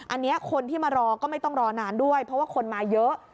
อันนี้คนที่มารอก็ไม่ต้องรอนานด้วยเพราะว่าคนมาเยอะ